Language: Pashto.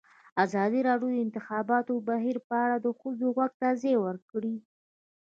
ازادي راډیو د د انتخاباتو بهیر په اړه د ښځو غږ ته ځای ورکړی.